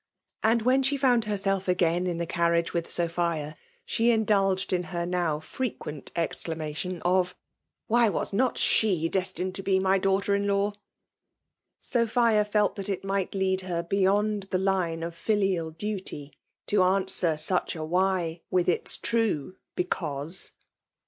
And ivrhen she faiiAdbenidf afain in the •cozxiage with SopUa> ike indulged in. her ttaoRr irequeot exdamation of ^'Why was not she destined to be ny daug^byter in law ?V Sophia felt that it might lead her beyond the line of filial duty to answer sudi a '' Why*' with ils true * Because.